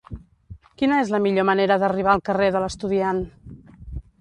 Quina és la millor manera d'arribar al carrer de l'Estudiant?